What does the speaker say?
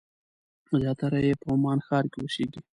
زیاتره یې په عمان ښار کې اوسېږي.